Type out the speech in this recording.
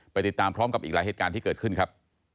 ติดตามพร้อมกับอีกหลายเหตุการณ์ที่เกิดขึ้นครับ